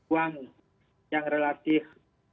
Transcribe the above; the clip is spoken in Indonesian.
uang yang relatif